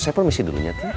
saya permisi dulunya tuh